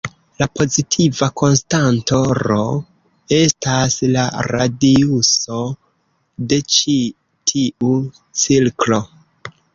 La pozitiva konstanto "r" estas la radiuso de ĉi tiu cirklo.